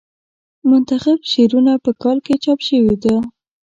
منتخب شعرونه په کال کې چاپ شوې ده.